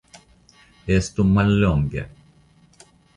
Estu mallonge.